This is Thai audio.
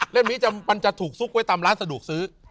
นี้มันจะถูกซุกไว้ตามร้านสะดวกซื้อ